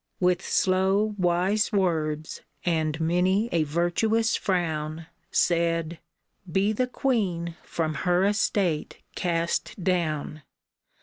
With slow, wise words, and many a virtuous frown, Said, " Be the queen from her estate cast down